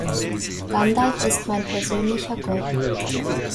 Gandalf ist mein persönlicher Gott.